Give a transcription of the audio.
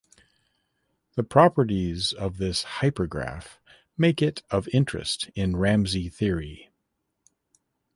The properties of this hypergraph make it of interest in Ramsey theory.